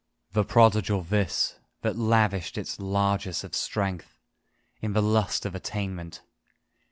The prodigal this, that lavished its largess of strength In the lust of attainment.